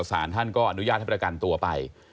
สารท่านก็อนุญาตให้ประกันตัวไป